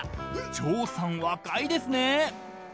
［長さん若いですね］